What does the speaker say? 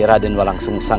raden walang sungusang